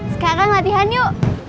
sekarang latihan yuk